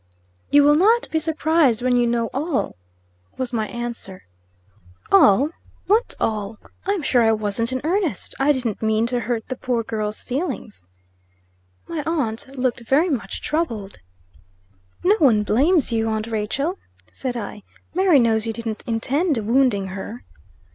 "You will not be surprised when you know all," was my answer. "All? What all? I'm sure I wasn't in earnest. I didn't mean to hurt the poor girl's feelings." My aunt looked very much troubled. "No one blames you, aunt Rachel," said I. "Mary knows you didn't intend wounding her."